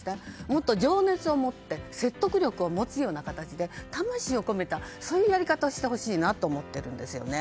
もっと情熱をもって説得力を持つような形で魂を込めたやり方をしてほしいと思ってるんです。